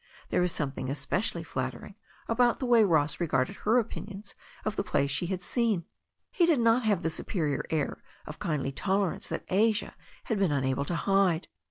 There was something especially flattering about the way Ross regarded her opinions of the plays she had seen. He did not have the superior air of kindly tolerance that Asia had been unable to hide.